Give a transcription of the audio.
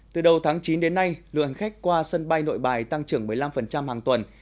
từ đầu tháng chín đến nay lượng hành khách qua sân bay nội bài tăng trưởng một mươi năm hàng tuần